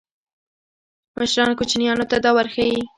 مشران کوچنیانو ته دا ورښيي.